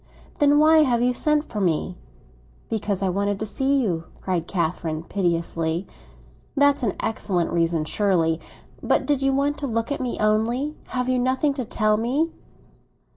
"Then why have you sent for me?" "Because I wanted to see you!" cried Catherine piteously. "That's an excellent reason, surely. But did you want to look at me only? Have you nothing to tell me?"